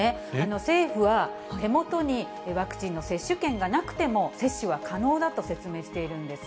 政府は手元にワクチンの接種券がなくても接種は可能だと説明しているんです。